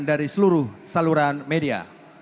dari seluruh saluran media